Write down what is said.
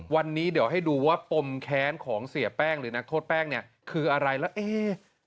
วันนี้เดี๋ยวให้ดูว่าปมแค้นของเสียแป้งหรือนักโทษแป้งเนี่ยคืออะไรแล้วเอ๊ะ